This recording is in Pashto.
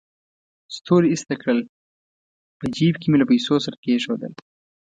ستوري ایسته کړل، په جېب کې مې له پیسو سره کېښودل.